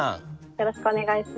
よろしくお願いします。